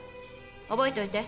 覚えといて。